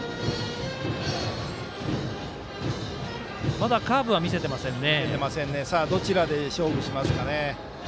まだ、カーブは見せていませんね。